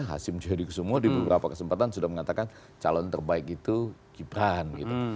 hasim jadi semua di beberapa kesempatan sudah mengatakan calon terbaik itu gibran gitu